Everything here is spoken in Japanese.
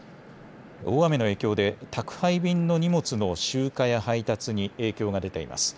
大雨の影響で、宅配便の荷物の集荷や配達に影響が出ています。